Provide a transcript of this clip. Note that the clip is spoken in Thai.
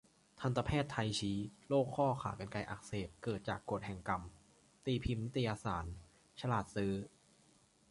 ทันตแพทย์ไทยชี้ "โรคข้อขากรรไกรอักเสบ เกิดจากกฎแห่งกรรม" ตีพิมพ์นิตยสาร 'ฉลาดซื้อ'